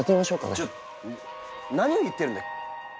ちょっ何を言ってるんだ？